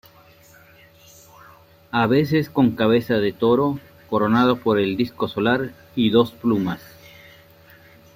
A veces, con cabeza de toro, coronado por el disco solar y dos plumas.